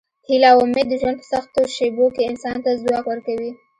هیله او امید د ژوند په سختو شېبو کې انسان ته ځواک ورکوي.